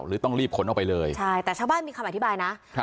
หรือต้องรีบขนออกไปเลยใช่แต่ชาวบ้านมีคำอธิบายนะครับ